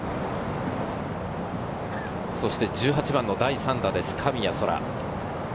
そして１８番の第３打です、神谷そら。